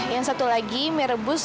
yang satu lagi mie rebus